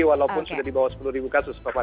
walaupun sudah di bawah sepuluh ribu kasus